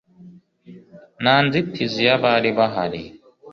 nta nzitizi yabari bahari